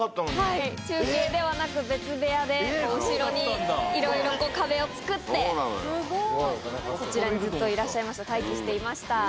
はい中継ではなく別部屋で後ろにいろいろ壁を作ってこちらにずっといらっしゃいました待機していました。